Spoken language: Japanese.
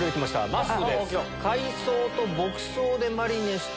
まっすーです。